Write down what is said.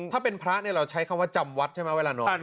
ถ้าเป็นพระเราต้องใช้ว่าจำวัดใช่ไหม